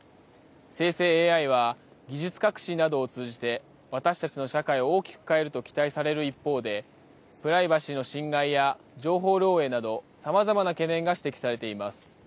生成ＡＩは技術革新などを通じて私たちの社会を大きく変えると期待される一方で、プライバシーの侵害や情報漏えいなどさまざまな懸念が指摘されています。